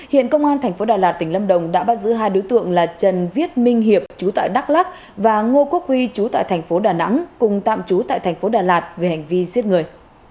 hiện công an tp đà lạt tỉnh lâm đồng đã bắt giữ hai đối tượng là trần viết minh hiệp chú tại đắk lắc và ngô quốc huy chú tại tp đà nẵng cùng tạm chú tại tp đà lạt về hành vi giết người